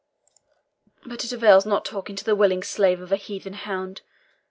But it avails not talking to the willing slave of a heathen hound.